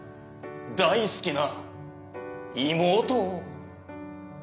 大好きな妹を」。